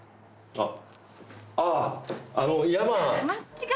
あっ！